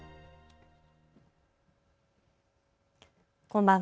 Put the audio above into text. こんばんは。